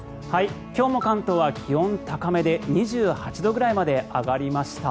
今日も関東は気温高めで２８度ぐらいまで上がりました。